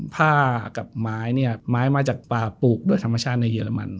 ผ้ากับไม้เนี่ยไม้มาจากป่าปลูกโดยธรรมชาติในเยอรมัน